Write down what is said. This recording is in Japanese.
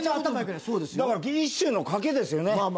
だから一種の賭けですよね。